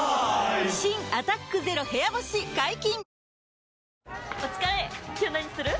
新「アタックＺＥＲＯ部屋干し」解禁‼